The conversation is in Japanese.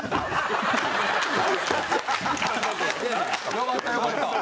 よかったよかった。